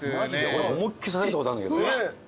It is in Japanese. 俺思いっ切り刺されたことあるんだけど。